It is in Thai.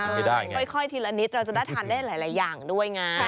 ค่อยทีละนิดเราจะได้ทานได้หลายอย่างด้วยไง